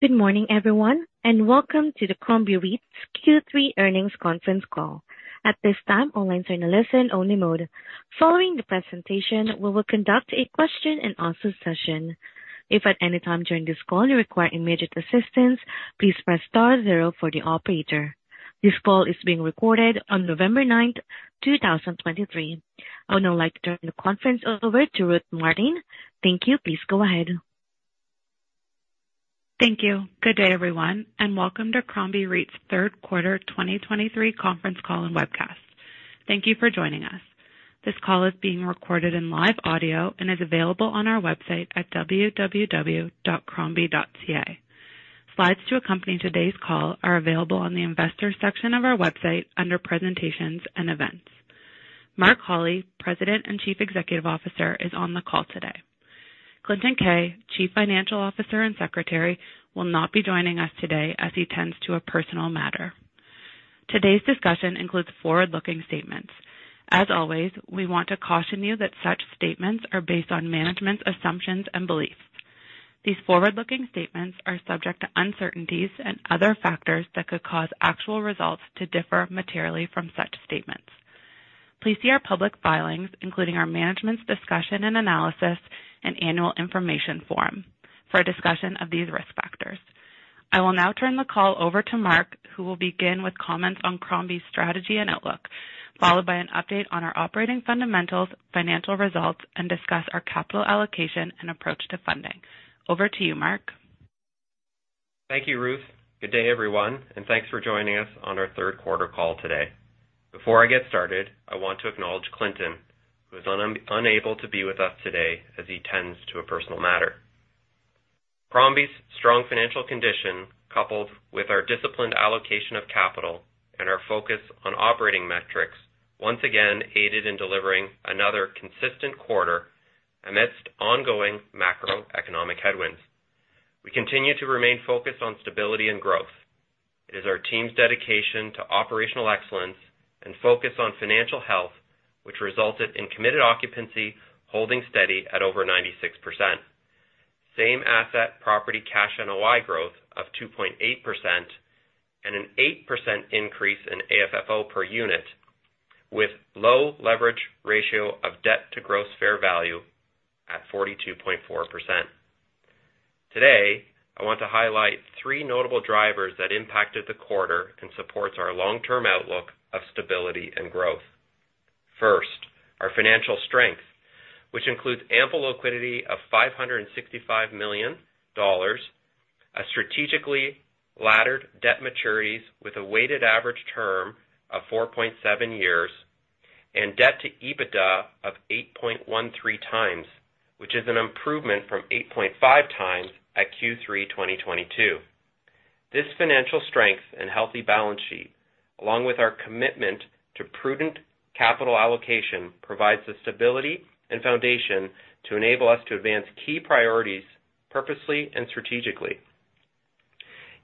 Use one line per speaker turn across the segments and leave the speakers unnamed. Good morning, everyone, and welcome to the Crombie REIT's Q3 earnings conference call. At this time, all lines are in a listen-only mode. Following the presentation, we will conduct a question-and-answer session. If at any time during this call you require immediate assistance, please press star zero for the operator. This call is being recorded on November 9th, 2023. I would now like to turn the conference over to Ruth Martin. Thank you. Please go ahead.
Thank you. Good day, everyone, and welcome to Crombie REIT's third quarter 2023 conference call and webcast. Thank you for joining us. This call is being recorded in live audio and is available on our website at www.crombie.ca. Slides to accompany today's call are available on the investor section of our website under presentations and events. Mark Holly, President and Chief Executive Officer, is on the call today. Clinton Keay, Chief Financial Officer and Secretary, will not be joining us today as he tends to a personal matter. Today's discussion includes forward-looking statements. As always, we want to caution you that such statements are based on management's assumptions and beliefs. These forward-looking statements are subject to uncertainties and other factors that could cause actual results to differ materially from such statements. Please see our public filings, including our management's discussion and analysis and annual information form, for a discussion of these risk factors. I will now turn the call over to Mark, who will begin with comments on Crombie's strategy and outlook, followed by an update on our operating fundamentals, financial results, and discuss our capital allocation and approach to funding. Over to you, Mark.
Thank you, Ruth. Good day, everyone, and thanks for joining us on our third quarter call today. Before I get started, I want to acknowledge Clinton, who is unable to be with us today as he tends to a personal matter. Crombie's strong financial condition, coupled with our disciplined allocation of capital and our focus on operating metrics, once again aided in delivering another consistent quarter amidst ongoing macroeconomic headwinds. We continue to remain focused on stability and growth. It is our team's dedication to operational excellence and focus on financial health, which resulted in committed occupancy holding steady at over 96%, same asset, property, cash and NOI growth of 2.8%, and an 8% increase in AFFO per unit, with low leverage ratio of debt to gross fair value at 42.4%. Today, I want to highlight three notable drivers that impacted the quarter and supports our long-term outlook of stability and growth. First, our financial strength, which includes ample liquidity of 565 million dollars, a strategically laddered debt maturities with a weighted average term of 4.7 years, and debt to EBITDA of 8.13x, which is an improvement from 8.5x at Q3 2022. This financial strength and healthy balance sheet, along with our commitment to prudent capital allocation, provides the stability and foundation to enable us to advance key priorities purposely and strategically.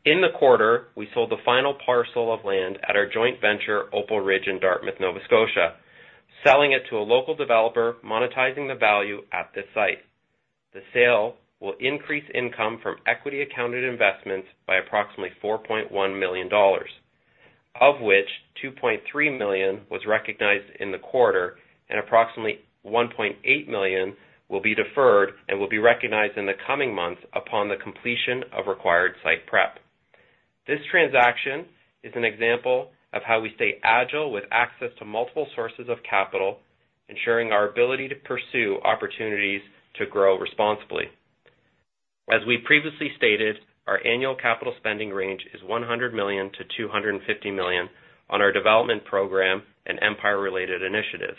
In the quarter, we sold the final parcel of land at our joint venture, Opal Ridge, in Dartmouth, Nova Scotia, selling it to a local developer, monetizing the value at the site. The sale will increase income from equity accounted investments by approximately 4.1 million dollars, of which 2.3 million was recognized in the quarter, and approximately 1.8 million will be deferred and will be recognized in the coming months upon the completion of required site prep. This transaction is an example of how we stay agile with access to multiple sources of capital, ensuring our ability to pursue opportunities to grow responsibly. As we previously stated, our annual capital spending range is 100 million-250 million on our development program and Empire-related initiatives.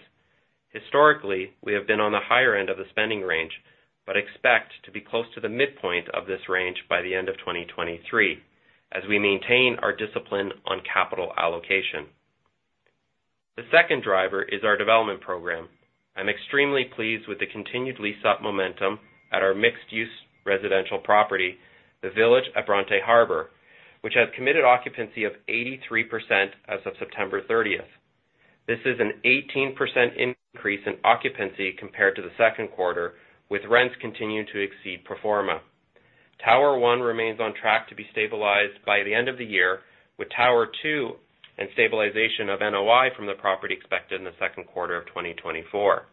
Historically, we have been on the higher end of the spending range, but expect to be close to the midpoint of this range by the end of 2023 as we maintain our discipline on capital allocation. The second driver is our development program. I'm extremely pleased with the continued lease-up momentum at our mixed-use residential property, the Village at Bronte Harbour, which has committed occupancy of 83% as of September 30th. This is an 18% increase in occupancy compared to the second quarter, with rents continuing to exceed pro forma. Tower One remains on track to be stabilized by the end of the year, with Tower Two and stabilization of NOI from the property expected in the second quarter of 2024.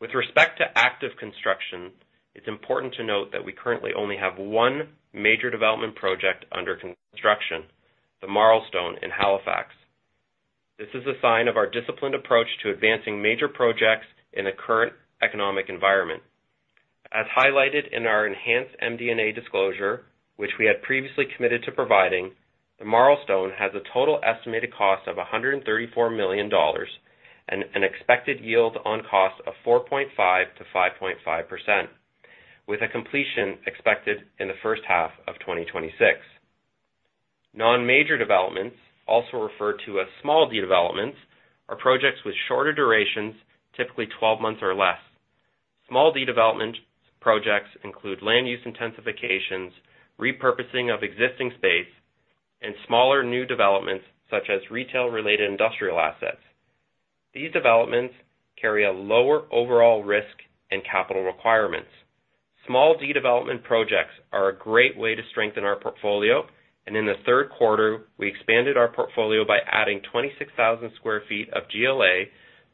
With respect to active construction, it's important to note that we currently only have one major development project under construction, The Marlstone in Halifax. This is a sign of our disciplined approach to advancing major projects in the current economic environment. As highlighted in our enhanced MD&A disclosure, which we had previously committed to providing, The Marlstone has a total estimated cost of 134 million dollars and an expected yield on cost of 4.5%-5.5%, with a completion expected in the first half of 2026. Non-major developments, also referred to as small D developments, are projects with shorter durations, typically 12 months or less. Small D development projects include land use intensifications, repurposing of existing space, and smaller new developments such as retail-related industrial assets. These developments carry a lower overall risk and capital requirements. Small D development projects are a great way to strengthen our portfolio, and in the third quarter, we expanded our portfolio by adding 26,000 square feet of GLA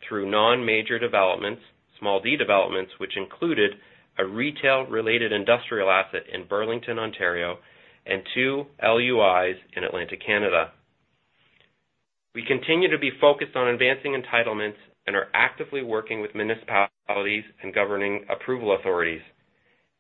through non-major developments, small D developments, which included a retail-related industrial asset in Burlington, Ontario, and two LUIs in Atlantic Canada. We continue to be focused on advancing entitlements and are actively working with municipalities and governing approval authorities.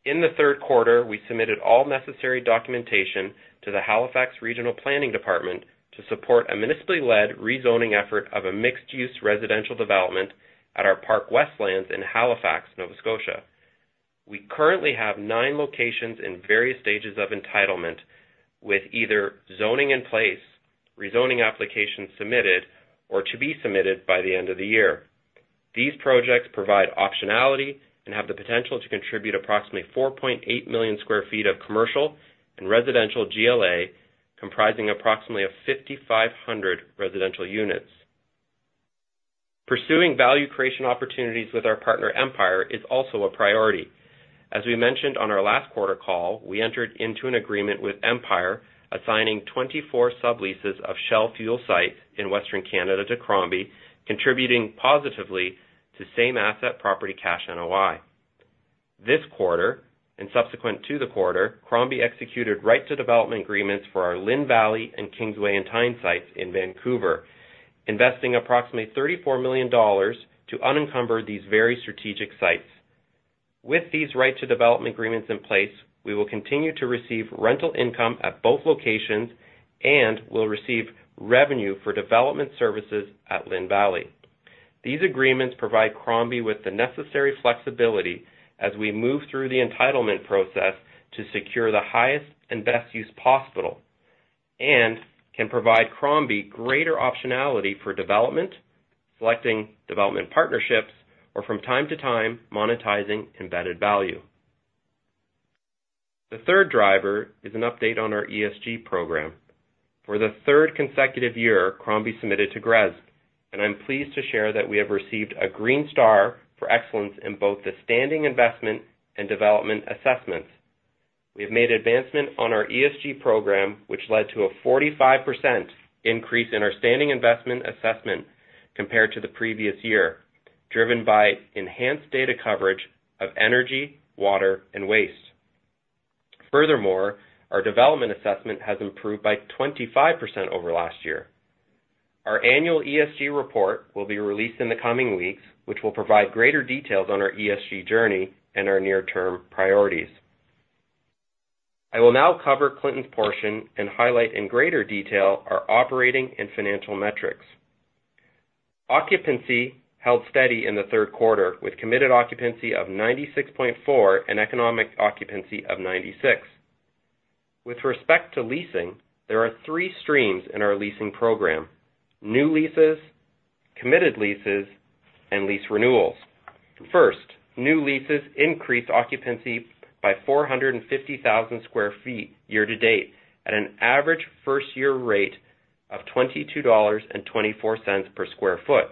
In the third quarter, we submitted all necessary documentation to the Halifax Regional Planning Department to support a municipally-led rezoning effort of a mixed-use residential development at our Park West in Halifax, Nova Scotia. We currently have nine locations in various stages of entitlement, with either zoning in place, rezoning applications submitted, or to be submitted by the end of the year. These projects provide optionality and have the potential to contribute approximately 4.8 million sq ft of commercial and residential GLA, comprising approximately of 5,500 residential units. Pursuing value creation opportunities with our partner, Empire, is also a priority. As we mentioned on our last quarter call, we entered into an agreement with Empire, assigning 24 subleases of Shell fuel sites in Western Canada to Crombie, contributing positively to same asset-property cash NOI. This quarter, and subsequent to the quarter, Crombie executed right to development agreements for our Lynn Valley and Kingsway and Tyne sites in Vancouver, investing approximately 34 million dollars to unencumber these very strategic sites. With these right to development agreements in place, we will continue to receive rental income at both locations and will receive revenue for development services at Lynn Valley. These agreements provide Crombie with the necessary flexibility as we move through the entitlement process to secure the highest and best use possible, and can provide Crombie greater optionality for development, selecting development partnerships, or from time to time, monetizing embedded value. The third driver is an update on our ESG program. For the third consecutive year, Crombie submitted to GRESB, and I'm pleased to share that we have received a green star for excellence in both the standing investment and development assessments. We have made advancement on our ESG program, which led to a 45% increase in our standing investment assessment compared to the previous year, driven by enhanced data coverage of energy, water, and waste. Furthermore, our development assessment has improved by 25% over last year. Our annual ESG report will be released in the coming weeks, which will provide greater details on our ESG journey and our near-term priorities. I will now cover Clinton's portion and highlight in greater detail our operating and financial metrics. Occupancy held steady in the third quarter, with committed occupancy of 96.4 and economic occupancy of 96. With respect to leasing, there are three streams in our leasing program: new leases, committed leases, and lease renewals. First, new leases increased occupancy by 450,000sq ft year to date, at an average first-year rate of 22.24 dollars per sq ft,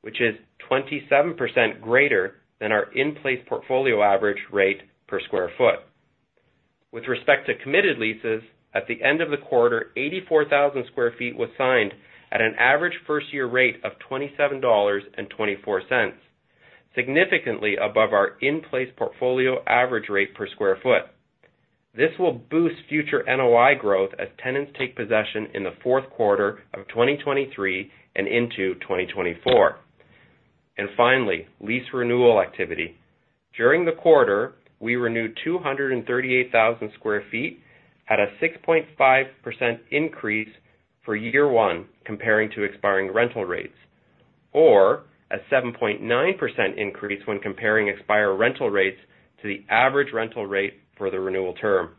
which is 27% greater than our in-place portfolio average rate per sq ft. With respect to committed leases, at the end of the quarter, 84,000sq ft was signed at an average first-year rate of 27.24 dollars, significantly above our in-place portfolio average rate per sq ft. This will boost future NOI growth as tenants take possession in the fourth quarter of 2023 and into 2024. Finally, lease renewal activity. During the quarter, we renewed 238,000sq ft at a 6.5 increase for year one comparing to expiring rental rates, or a 7.9% increase when comparing expired rental rates to the average rental rate for the renewal term.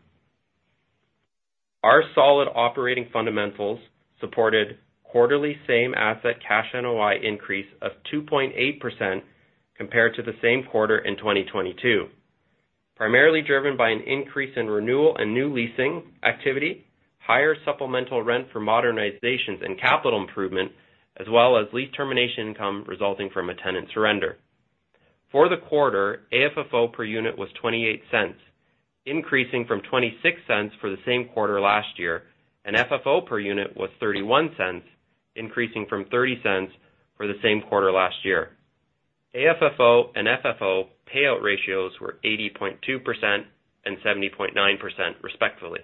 Our solid operating fundamentals supported quarterly same asset cash NOI increase of 2.8% compared to the same quarter in 2022, primarily driven by an increase in renewal and new leasing activity, higher supplemental rent for modernizations and capital improvement, as well as lease termination income resulting from a tenant surrender. For the quarter, AFFO per unit was 0.28, increasing from 0.26 for the same quarter last year, and FFO per unit was 0.31, increasing from 0.30 for the same quarter last year. AFFO and FFO payout ratios were 80.2% and 70.9%, respectively.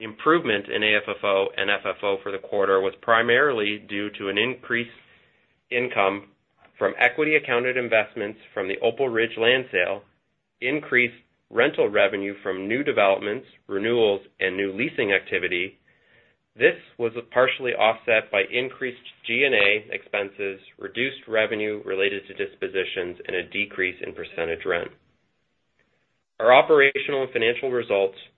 Improvement in AFFO and FFO for the quarter was primarily due to an increased income from equity accounted investments from the Opal Ridge land sale, increased rental revenue from new developments, renewals, and new leasing activity. This was partially offset by increased G&A expenses, reduced revenue related to dispositions, and a decrease in percentage rent. Our operational and financial results were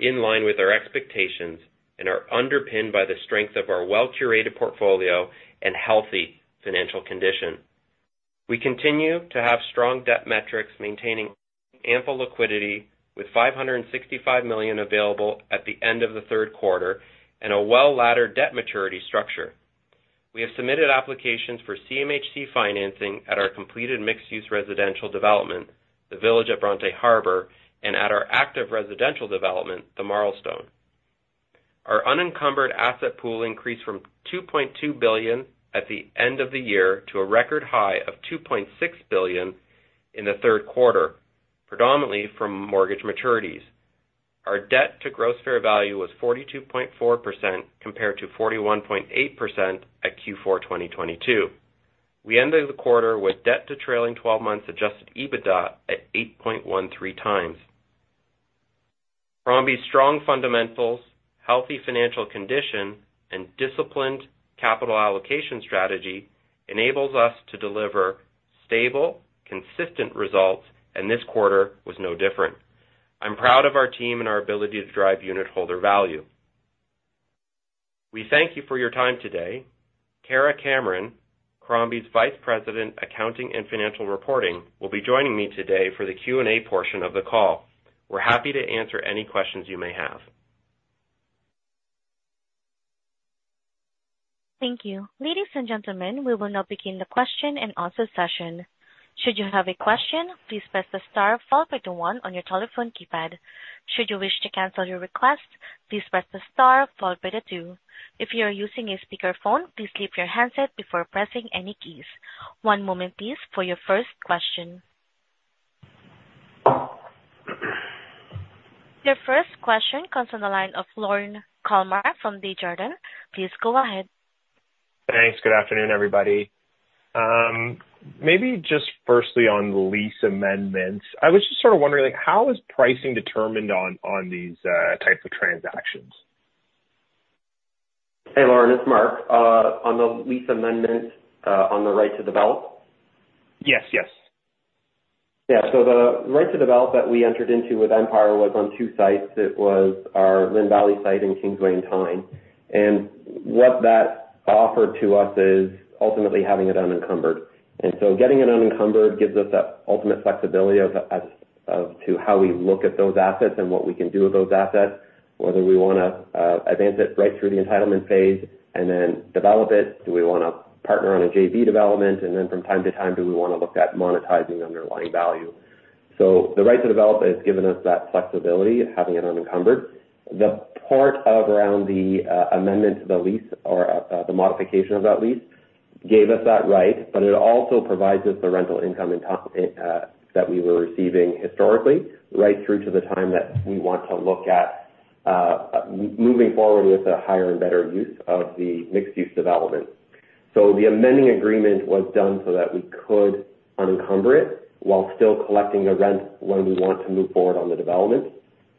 in line with our expectations and are underpinned by the strength of our well-curated portfolio and healthy financial condition. We continue to have strong debt metrics, maintaining ample liquidity, with 565 million available at the end of the third quarter and a well-laddered debt maturity structure. We have submitted applications for CMHC financing at our completed mixed-use residential development, the Village at Bronte Harbour, and at our active residential development, The Marlstone. Our unencumbered asset pool increased from 2.2 billion at the end of the year to a record high of 2.6 billion in the third quarter, predominantly from mortgage maturities. Our debt to gross fair value was 42.4%, compared to 41.8% at Q4 2022. We ended the quarter with debt to trailing twelve months adjusted EBITDA at 8.13 times. Crombie's strong fundamentals, healthy financial condition, and disciplined capital allocation strategy enables us to deliver stable, consistent results, and this quarter was no different. I'm proud of our team and our ability to drive unitholder value. We thank you for your time today. Kara Cameron, Crombie's Vice President, Accounting and Financial Reporting, will be joining me today for the Q&A portion of the call. We're happy to answer any questions you may have.
Thank you. Ladies and gentlemen, we will now begin the question-and-answer session. Should you have a question, please press the star followed by the one on your telephone keypad. Should you wish to cancel your request, please press the star followed by the two. If you are using a speakerphone, please leave your handset before pressing any keys. One moment, please, for your first question. Your first question comes on the line of Lorne Kalmar from Desjardins. Please go ahead.
Thanks. Good afternoon, everybody. Maybe just firstly on the lease amendments. I was just sort of wondering, like, how is pricing determined on these types of transactions?
Hey, Lorne, it's Mark. On the lease amendment, on the right to develop?
Yes, yes.
Yeah. So the right to develop that we entered into with Empire was on two sites. It was our Lynn Valley site and Kingsway and Tyne. And what that offered to us is ultimately having it unencumbered. And so getting it unencumbered gives us that ultimate flexibility as to how we look at those assets and what we can do with those assets, whether we wanna advance it right through the entitlement phase and then develop it. Do we wanna partner on a JV development? And then from time to time, do we wanna look at monetizing underlying value? So the right to develop has given us that flexibility of having it unencumbered. The part of around the amendment to the lease or the modification of that lease gave us that right, but it also provides us the rental income and top, that we were receiving historically, right through to the time that we want to look at, moving forward with a higher and better use of the mixed-use development. So the amending agreement was done so that we could unencumber it while still collecting the rent when we want to move forward on the development.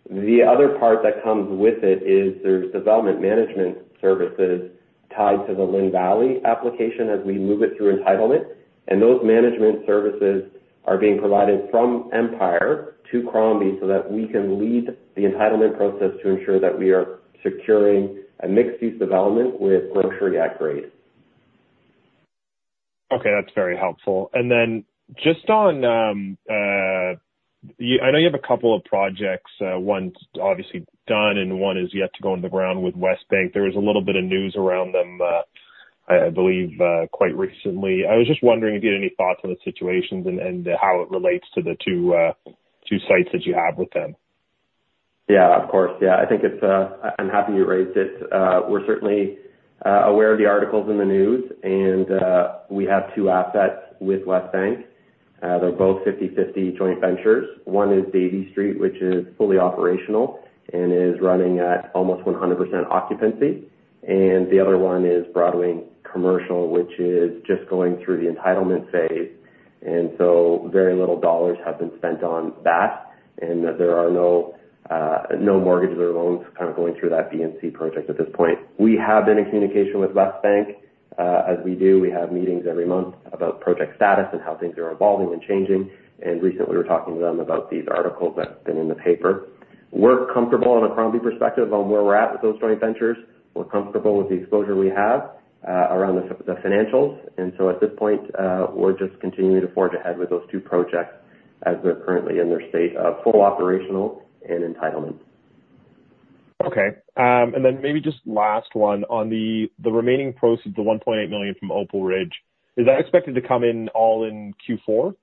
The other part that comes with it is there's development management services tied to the Lynn Valley application as we move it through entitlement, and those management services are being provided from Empire to Crombie so that we can lead the entitlement process to ensure that we are securing a mixed-use development with luxury at grade.
Okay, that's very helpful. And then just on, I know you have a couple of projects, one's obviously done and one is yet to go on the ground with Westbank. There was a little bit of news around them, I believe, quite recently. I was just wondering if you had any thoughts on the situations and how it relates to the two sites that you have with them.
Yeah, of course. Yeah. I think it's, I'm happy you raised it. We're certainly aware of the articles in the news, and we have two assets with Westbank. They're both 50/50 joint ventures. One is Davie Street, which is fully operational and is running at almost 100% occupancy, and the other one is Broadway and Commercial, which is just going through the entitlement phase, and so very little dollars have been spent on that, and there are no no mortgages or loans kind of going through that B&C project at this point. We have been in communication with Westbank, as we do. We have meetings every month about project status and how things are evolving and changing, and recently we're talking to them about these articles that's been in the paper. We're comfortable on a Crombie perspective on where we're at with those joint ventures. We're comfortable with the exposure we have around the financials, and so at this point, we're just continuing to forge ahead with those two projects as they're currently in their state of full operational and entitlement.
Okay. And then maybe just last one. On the remaining proceeds, the 1.8 million from Opal Ridge, is that expected to come in all in Q4?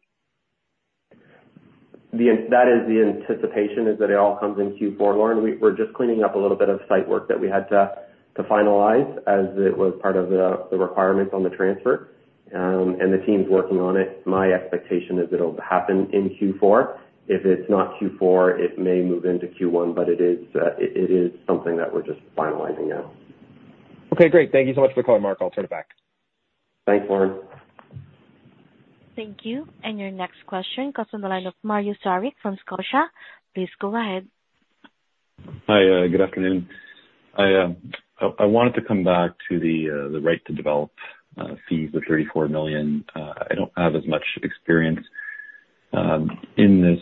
That is the anticipation, is that it all comes in Q4, Lorne. We're just cleaning up a little bit of site work that we had to finalize, as it was part of the requirements on the transfer. And the team's working on it. My expectation is it'll happen in Q4. If it's not Q4, it may move into Q1, but it is something that we're just finalizing now.
Okay, great. Thank you so much for the call, Mark. I'll turn it back.
Thanks, Lorne.
Thank you. And your next question comes on the line of Mario Saric from Scotia. Please go ahead.
Hi, good afternoon. I wanted to come back to the right to develop fees of 34 million. I don't have as much experience And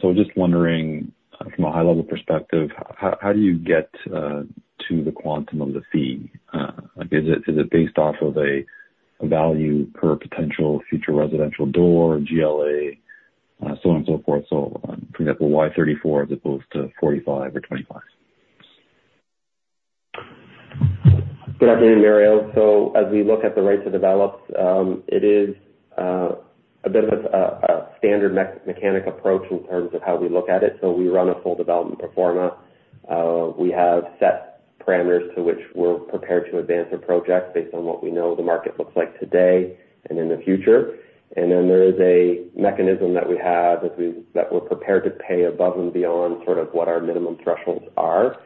so just wondering from a high level perspective, how do you get to the quantum of the fee? Like, is it based off of a value per potential future residential door, GLA, so on and so forth? So, for example, why 34 million as opposed to 45 million or 25 million?
Good afternoon, Mario. So as we look at the right to develop, it is a bit of a standard mechanism approach in terms of how we look at it. So we run a full development pro forma. We have set parameters to which we're prepared to advance a project based on what we know the market looks like today and in the future. And then there is a mechanism that we have that we're prepared to pay above and beyond sort of what our minimum thresholds are.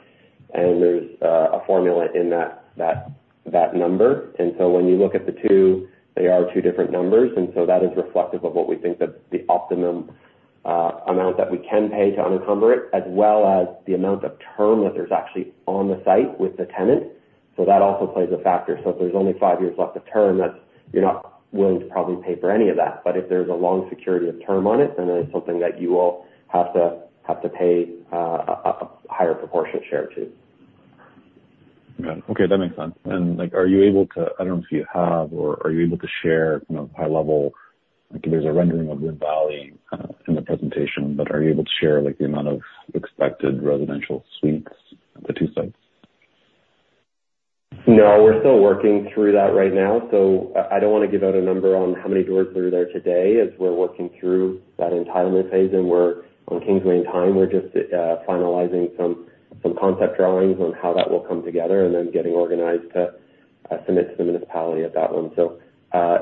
And there's a formula in that number. And so when you look at the two, they are two different numbers, and so that is reflective of what we think that the optimum amount that we can pay to unencumber it, as well as the amount of term that there's actually on the site with the tenant. So that also plays a factor. So if there's only five years left of term, that's you're not willing to probably pay for any of that, but if there's a long security of term on it, then it's something that you will have to pay a higher proportion share to.
Got it. Okay, that makes sense. And, like, are you able to, I don't know if you have, or are you able to share, you know, high level, like there's a rendering of Lynn Valley in the presentation, but are you able to share, like, the amount of expected residential suites at the two sites?
No, we're still working through that right now, so I don't want to give out a number on how many doors there are there today, as we're working through that entitlement phase, and we're on Kingsway and Tyne, we're just finalizing some concept drawings on how that will come together and then getting organized to submit to the municipality at that one. So,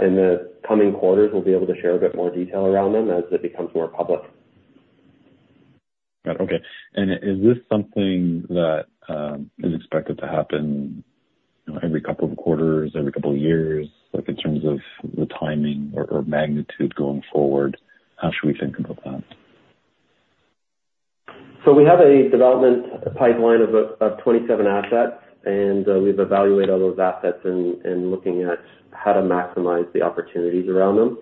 in the coming quarters, we'll be able to share a bit more detail around them as it becomes more public.
Got it. Okay. And is this something that is expected to happen, you know, every couple of quarters, every couple of years? Like, in terms of the timing or magnitude going forward, how should we think about that?
So we have a development pipeline of 27 assets, and we've evaluated all those assets and looking at how to maximize the opportunities around them.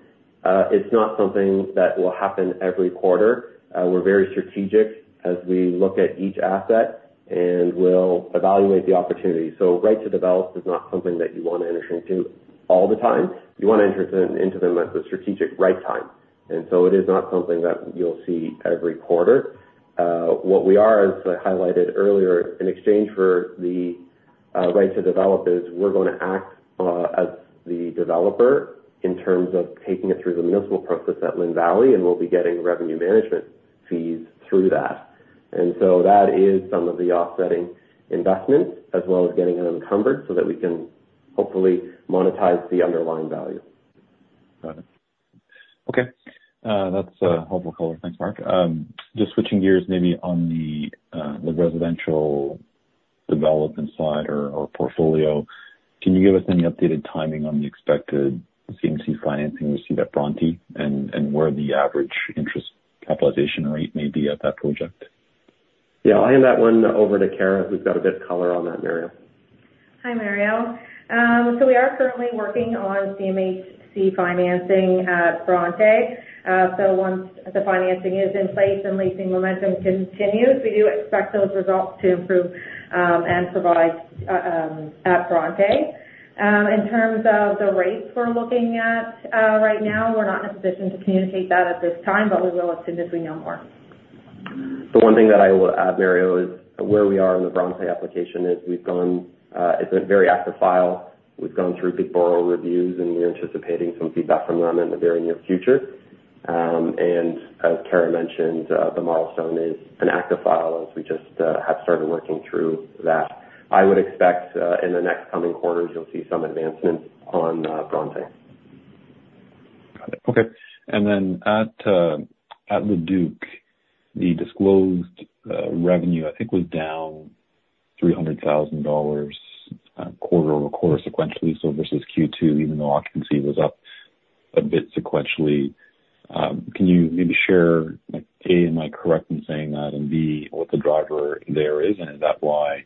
It's not something that will happen every quarter. We're very strategic as we look at each asset, and we'll evaluate the opportunity. So right to develop is not something that you want to enter into all the time. You want to enter into them at the strategic right time, and so it is not something that you'll see every quarter. What we are, as I highlighted earlier, in exchange for the right to develop is, we're going to act as the developer in terms of taking it through the municipal process at Lynn Valley, and we'll be getting revenue management fees through that. That is some of the offsetting investments, as well as getting it unencumbered so that we can hopefully monetize the underlying value.
Got it. Okay. That's helpful color. Thanks, Mark. Just switching gears maybe on the residential development side or portfolio. Can you give us any updated timing on the expected CMHC financing we see at Bronte and where the average interest capitalization rate may be at that project?
Yeah, I'll hand that one over to Kara, who's got a good color on that, Mario.
Hi, Mario. So we are currently working on CMHC financing at Bronte. So once the financing is in place and leasing momentum continues, we do expect those results to improve, and provide at Bronte. In terms of the rates we're looking at, right now, we're not in a position to communicate that at this time, but we will as soon as we know more.
The one thing that I will add, Mario, is where we are in the Bronte application is we've gone, it's a very active file. We've gone through big borrower reviews, and we're anticipating some feedback from them in the very near future. And as Kara mentioned, the milestone is an active file as we just have started working through that. I would expect, in the next coming quarters you'll see some advancements on, Bronte.
Got it. Okay. Then at Le Duke, the disclosed revenue, I think, was down 300,000 dollars quarter-over-quarter sequentially, so versus Q2, even though occupancy was up a bit sequentially. Can you maybe share, like, A, am I correct in saying that? And B, what the driver there is, and is that why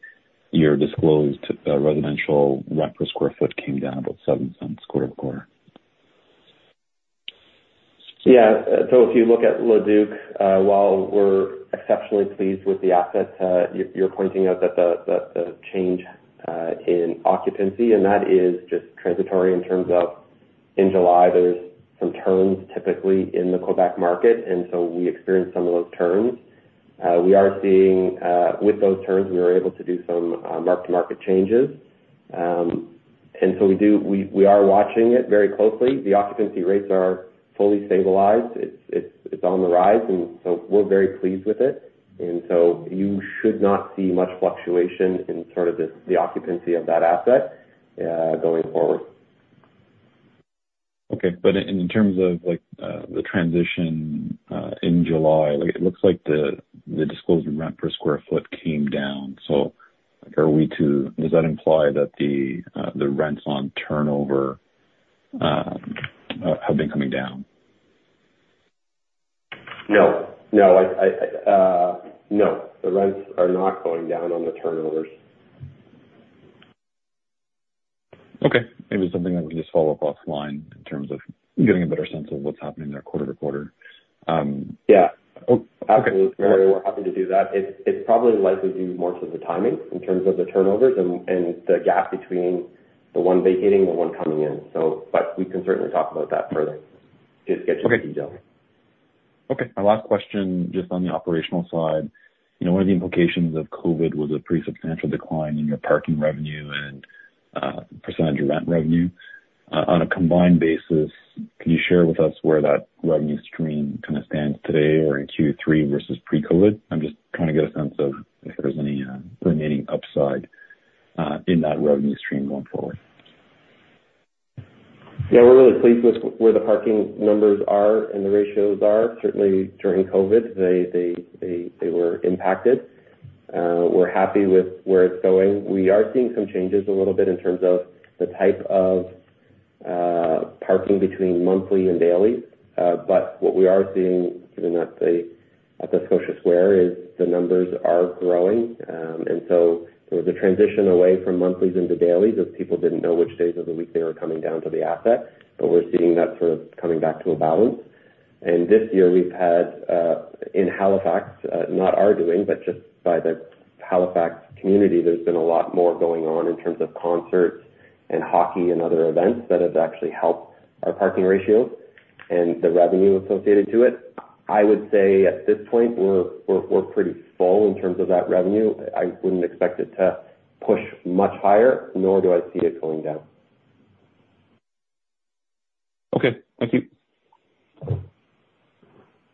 your disclosed residential rent per square foot came down about 0.07 quarter-over-quarter?
Yeah. So if you look at Le Duke, while we're exceptionally pleased with the assets, you're pointing out that the change in occupancy, and that is just transitory in terms of in July, there's some turns typically in the Quebec market, and so we experienced some of those turns. We are seeing with those turns, we were able to do some mark-to-market changes. And so we are watching it very closely. The occupancy rates are fully stabilized. It's on the rise, and so we're very pleased with it. And so you should not see much fluctuation in sort of this the occupancy of that asset going forward.
Okay. But in terms of, like, the transition in July, like, it looks like the disclosed rent per square foot came down. So are we to, does that imply that the rents on turnover have been coming down?
No. No, the rents are not going down on the turnovers.
Okay. Maybe something that we can just follow up offline in terms of getting a better sense of what's happening there quarter to quarter.
Yeah.
Oh, okay.
Absolutely, we're happy to do that. It's probably likely due more to the timing in terms of the turnovers and the gap between the one vacating, the one coming in. But we can certainly talk about that further, just get you the detail.
Okay. My last question, just on the operational side, you know, one of the implications of COVID was a pretty substantial decline in your parking revenue and percentage of rent revenue. On a combined basis, can you share with us where that revenue stream kind of stands today or in Q3 versus pre-COVID? I'm just trying to get a sense of if there's any remaining upside in that revenue stream going forward.
Yeah, we're really pleased with where the parking numbers are and the ratios are. Certainly during COVID, they were impacted. We're happy with where it's going. We are seeing some changes a little bit in terms of the type of parking between monthly and daily. But what we are seeing, given that at the Scotia Square, is the numbers are growing. And so there was a transition away from monthlies into dailies, as people didn't know which days of the week they were coming down to the asset, but we're seeing that sort of coming back to a balance. This year we've had in Halifax, not our doing, but just by the Halifax community, there's been a lot more going on in terms of concerts and hockey and other events that have actually helped our parking ratios and the revenue associated to it. I would say at this point, we're pretty full in terms of that revenue. I wouldn't expect it to push much higher, nor do I see it going down.
Okay. Thank you.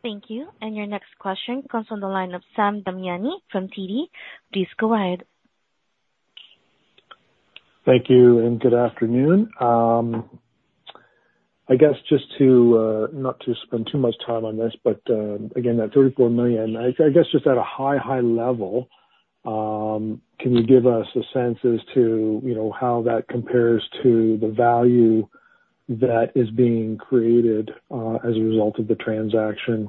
Thank you. And your next question comes from the line of Sam Damiani from TD. Please go ahead.
Thank you, and good afternoon. I guess just not to spend too much time on this, but again, that 34 million, I guess just at a high, high level, can you give us a sense as to, you know, how that compares to the value that is being created as a result of the transaction,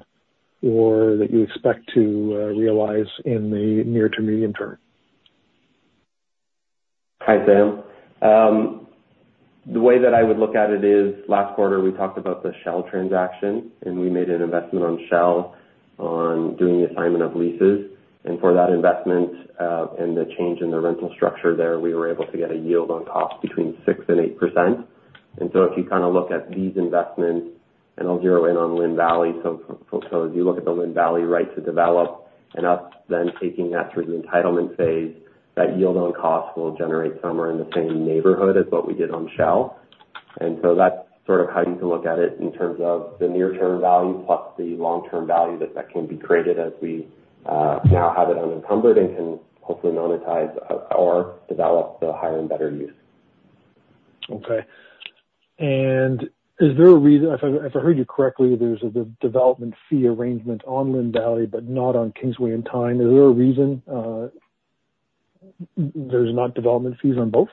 or that you expect to realize in the near to medium term?
Hi, Sam. The way that I would look at it is, last quarter, we talked about the Shell transaction, and we made an investment on Shell on doing the assignment of leases. And for that investment, and the change in the rental structure there, we were able to get a yield on cost between 6% and 8%. And so if you kind of look at these investments, and I'll zero in on Lynn Valley, so, so if you look at the Lynn Valley right to develop, and us then taking that through the entitlement phase, that yield on cost will generate somewhere in the same neighborhood as what we did on Shell. And so that's sort of how you can look at it in terms of the near-term value, plus the long-term value that can be created as we now have it unencumbered and can hopefully monetize or develop the higher and better use.
Okay. And is there a reason? If I heard you correctly, there's a development fee arrangement on Lynn Valley, but not on Kingsway and Tyne. Is there a reason there's not development fees on both?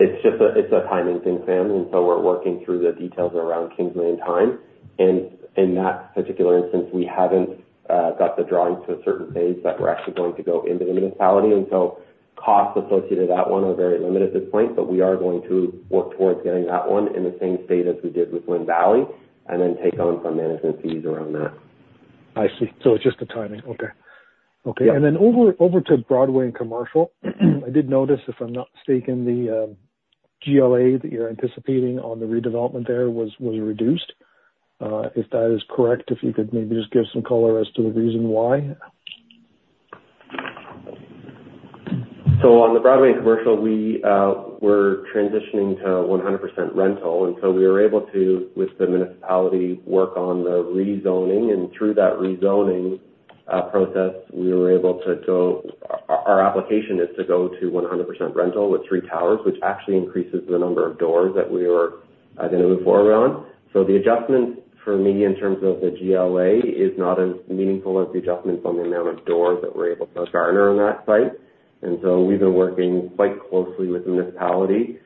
It's just a timing thing, Sam, and so we're working through the details around Kingsway and Tyne. And in that particular instance, we haven't got the drawings to a certain phase that we're actually going to go into the municipality. And so costs associated to that one are very limited at this point, but we are going to work towards getting that one in the same state as we did with Lynn Valley, and then take on some management fees around that.
I see. It's just the timing. Okay. Okay.
Yeah.
And then over to Broadway and Commercial. I did notice, if I'm not mistaken, the GLA that you're anticipating on the redevelopment there was reduced. If that is correct, if you could maybe just give some color as to the reason why?
On the Broadway and Commercial, we, we're transitioning to 100% rental, and so we were able to, with the municipality, work on the rezoning. Through that rezoning process, we were able to go. Our application is to go to 100% rental with three towers, which actually increases the number of doors that we were going to move forward on. The adjustment for me, in terms of the GLA, is not as meaningful as the adjustments on the amount of doors that we're able to garner on that site. We've been working quite closely with the municipality,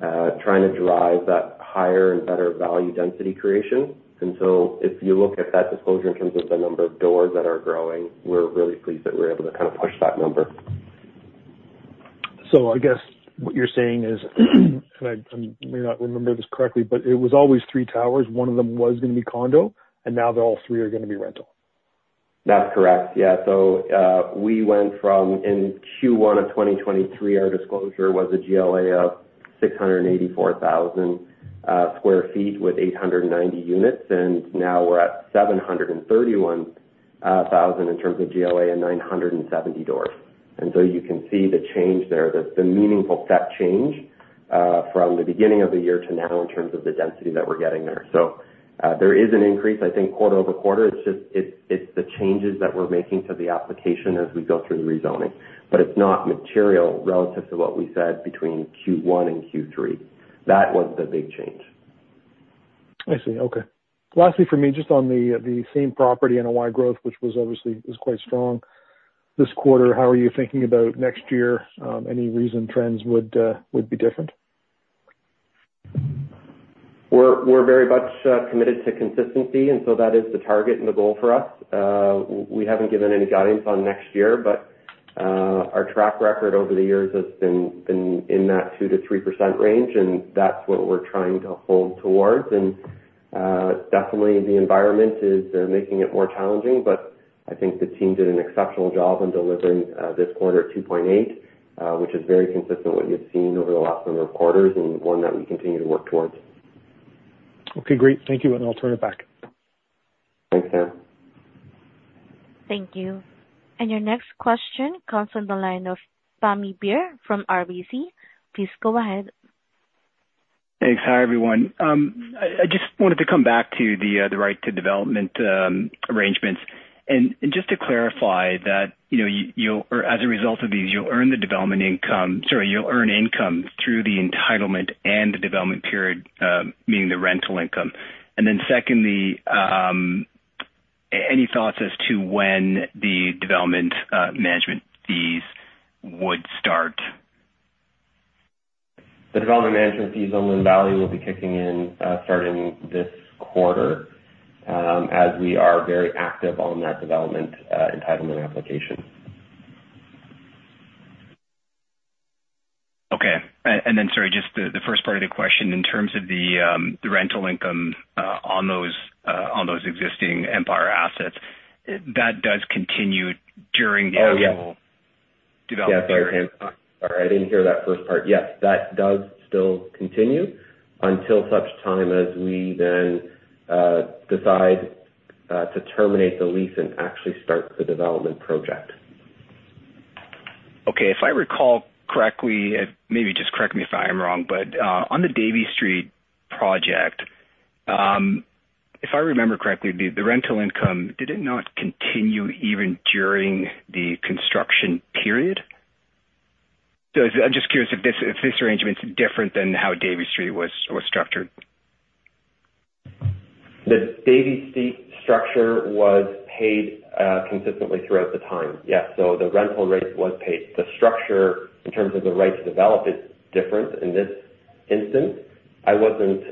trying to drive that higher and better value density creation. If you look at that disclosure in terms of the number of doors that are growing, we're really pleased that we're able to kind of push that number.
I guess what you're saying is, and I may not remember this correctly, but it was always three towers. One of them was going to be condo, and now they're all three are going to be rental.
That's correct. Yeah. We went from in Q1 of 2023, our disclosure was a GLA of 684,000sq ft with 890 units, and now we're at 731,000 in terms of GLA and 970 doors. You can see the change there. There's been meaningful step change from the beginning of the year to now in terms of the density that we're getting there. There is an increase, I think, quarter-over-quarter. It's just the changes that we're making to the application as we go through the rezoning, but it's not material relative to what we said between Q1 and Q3. That was the big change.
I see. Okay. Lastly, for me, just on the the same property, NOI growth, which was obviously, was quite strong this quarter, how are you thinking about next year? Any reason trends would would be different?
.We're very much committed to consistency, and so that is the target and the goal for us. We haven't given any guidance on next year, but our track record over the years has been in that 2%-3% range, and that's what we're trying to hold towards. And definitely the environment is making it more challenging, but I think the team did an exceptional job in delivering this quarter 2.8%, which is very consistent with what we've seen over the last number of quarters and one that we continue to work towards.
Okay, great. Thank you, and I'll turn it back.
Thanks, Sam.
Thank you. Your next question comes from the line of Pammi Bir from RBC. Please go ahead.
Thanks. Hi, everyone. I just wanted to come back to the right to development arrangements. Just to clarify that, you know, you or as a result of these, you'll earn the development income. Sorry, you'll earn income through the entitlement and the development period, meaning the rental income. Then secondly, any thoughts as to when the development management fees would start?
The development management fees on Lynn Valley will be kicking in, starting this quarter, as we are very active on that development, entitlement application.
Okay. And then, sorry, just the first part of the question, in terms of the rental income on those existing Empire assets, that does continue during the development period?
Sorry, I didn't hear that first part. Yes, that does still continue until such time as we then decide to terminate the lease and actually start the development project.
Okay. If I recall correctly, maybe just correct me if I am wrong, but, on the Davie Street project, if I remember correctly, the rental income, did it not continue even during the construction period? So I'm just curious if this arrangement is different than how Davie Street was structured.
The Davie Street structure was paid consistently throughout the time. Yeah, so the rental rate was paid. The structure, in terms of the right to develop, is different in this instance. I wasn't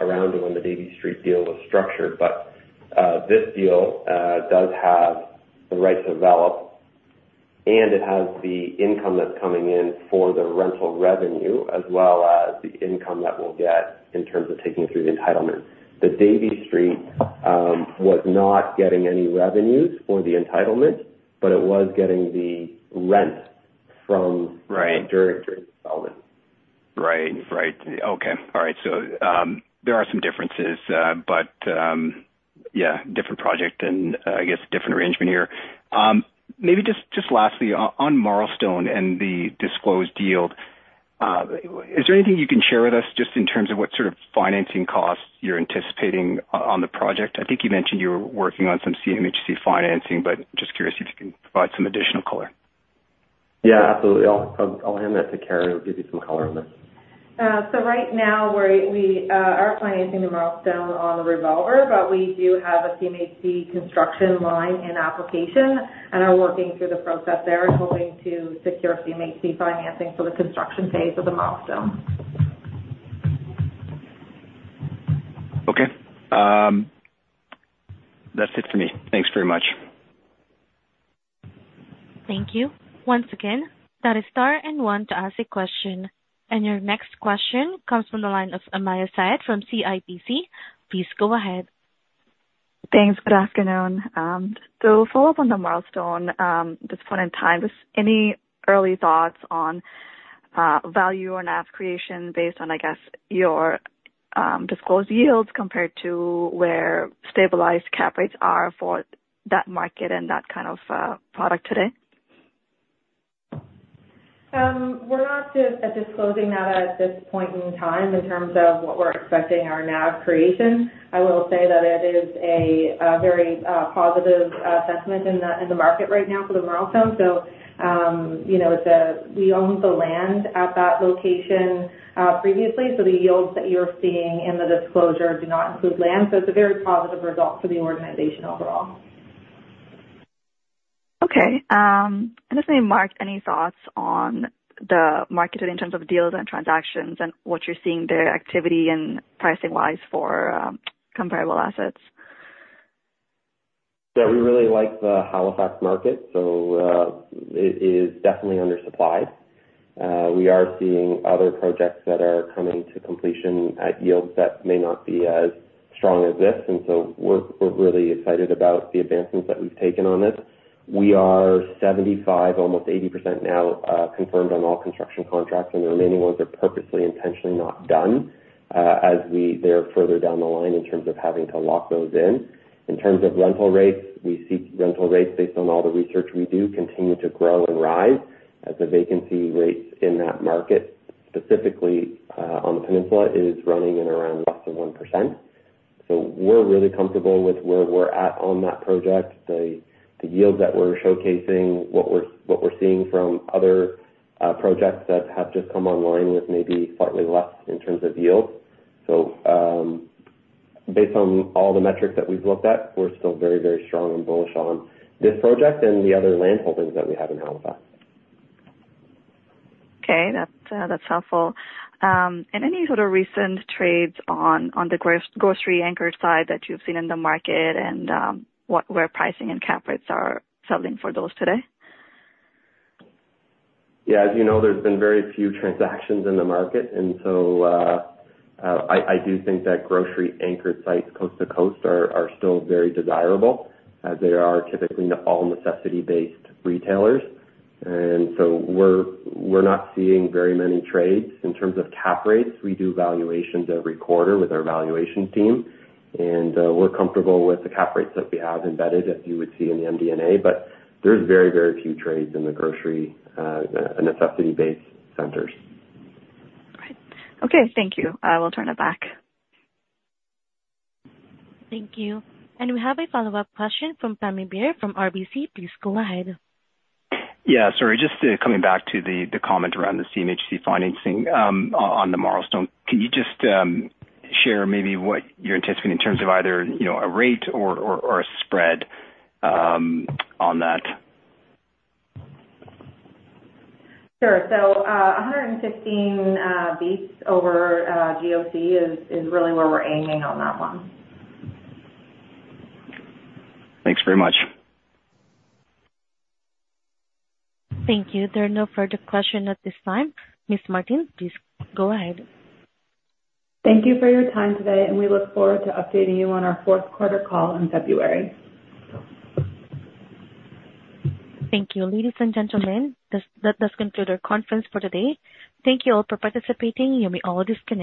around when the Davie Street deal was structured, but this deal does have the right to develop, and it has the income that's coming in for the rental revenue, as well as the income that we'll get in terms of taking through the entitlement. The Davie Street was not getting any revenues for the entitlement, but it was getting the rent from-uring development.
Right. Right. Okay. All right. So, there are some differences, but, yeah, different project and I guess different arrangement here. Maybe just lastly, on Marlstone and the disclosed yield, is there anything you can share with us just in terms of what sort of financing costs you're anticipating on the project? I think you mentioned you were working on some CMHC financing, but just curious if you can provide some additional color.
Yeah, absolutely. I'll hand that to Kara to give you some color on this.
So right now, we're financing The Marlstone on the revolver, but we do have a CMHC construction line in application and are working through the process there, hoping to secure CMHC financing for the construction phase of The Marlstone.
Okay. That's it for me. Thanks very much.
Thank you. Once again, that is star and one to ask a question. And your next question comes from the line of Sumayya Syed from CIBC. Please go ahead.
Thanks. Good afternoon. So follow up on The Marlstone, this point in time, just any early thoughts on value or NAV creation based on, I guess, your disclosed yields compared to where stabilized cap rates are for that market and that kind of product today?
We're not disclosing that at this point in time in terms of what we're expecting our NAV creation. I will say that it is a very positive assessment in the market right now for The Marlstone. So, you know, we own the land at that location previously, so the yields that you're seeing in the disclosure do not include land. So it's a very positive result for the organization overall.
Okay. And then, Mark, any thoughts on the market in terms of deals and transactions and what you're seeing there, activity and pricing-wise for comparable assets?
Yeah, we really like the Halifax market, so it is definitely undersupplied. We are seeing other projects that are coming to completion at yields that may not be as strong as this, and so we're really excited about the advancements that we've taken on this. We are 75%, almost 80% now, confirmed on all construction contracts, and the remaining ones are purposely, intentionally not done, as they're further down the line in terms of having to lock those in. In terms of rental rates, we see rental rates, based on all the research we do, continue to grow and rise, as the vacancy rates in that market, specifically, on the peninsula, is running at around less than 1%. So we're really comfortable with where we're at on that project. The yields that we're showcasing, what we're seeing from other projects that have just come online with maybe slightly less in terms of yields. So, based on all the metrics that we've looked at, we're still very, very strong and bullish on this project and the other landholdings that we have in Halifax.
Okay, that's, that's helpful. And any sort of recent trades on the grocery anchor side that you've seen in the market and, what, where pricing and cap rates are settling for those today?
Yeah, as you know, there's been very few transactions in the market, and so I do think that grocery-anchored sites coast to coast are still very desirable, as they are typically all necessity-based retailers. And so we're not seeing very many trades. In terms of cap rates, we do valuations every quarter with our valuation team, and we're comfortable with the cap rates that we have embedded, as you would see in the MD&A, but there's very, very few trades in the grocery necessity-based centers.
Right. Okay, thank you. I will turn it back.
Thank you. We have a follow-up question from Pammi Bir from RBC. Please go ahead.
Yeah, sorry, just coming back to the comment around the CMHC financing on The Marlstone. Can you just share maybe what you're anticipating in terms of either, you know, a rate or a spread on that?
Sure. So, 115 basis over GOC is really where we're aiming on that one.
Thanks very much.
Thank you. There are no further questions at this time. Ms. Martin, please go ahead.
Thank you for your time today, and we look forward to updating you on our fourth quarter call in February.
Thank you. Ladies and gentlemen, this does conclude our conference for today. Thank you all for participating. You may all disconnect.